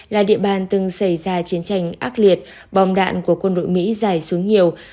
là địa bàn từng xảy ra chiến tranh ác liệt bom đạn của quân đội mỹ dài xuống nhiều